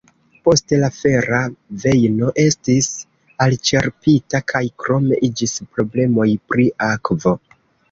Poste la fera vejno estis elĉerpita kaj krome iĝis problemoj pri akvo.